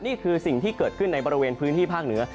นี่คือสิ่งที่เกิดขึ้นในบริเวณพื้นที่ภาคเหนือ